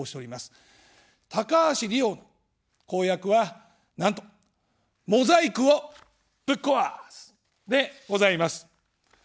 高橋理洋の公約は、なんとモザイクをぶっ壊すでございます。